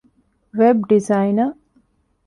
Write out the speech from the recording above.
ވެބް ޑިޒައިނަރ